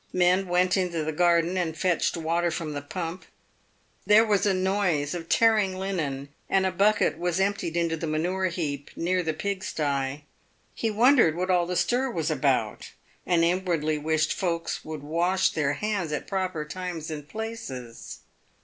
Men went into the garden and fetched water from the pump. There was a noise of tearing linen, and a bucket was emptied into the manure heap, near the pigsty. He wondered what all the stir was about, and inwardly wished folk would wash their hands at proper times and places.